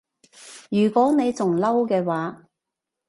如果你仲嬲嘅話